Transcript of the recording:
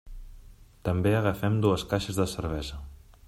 També agafem dues caixes de cervesa.